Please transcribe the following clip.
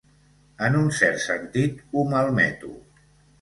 En un cert sentit, ho malmeto.